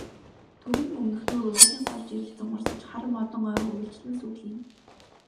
Төвийн өмнөхнүүр уулын гол жирэлзэн урсаж, хар модон ой үргэлжлэн сүглийнэ.